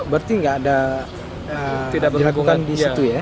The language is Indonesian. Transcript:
berarti tidak ada tidak dilakukan di situ ya